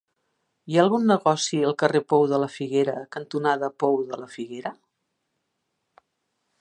Hi ha algun negoci al carrer Pou de la Figuera cantonada Pou de la Figuera?